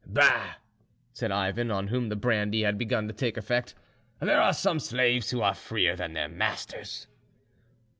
"Bah!" said Ivan, on whom the brandy had begun to take effect, "there are some slaves who are freer than their masters."